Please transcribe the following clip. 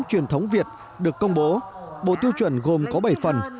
truyền thống việt được công bố bộ tiêu chuẩn gồm có bảy phần